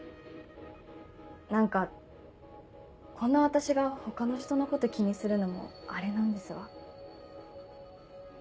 何かこんな私が他の人のこと気にするのもあれなんですが。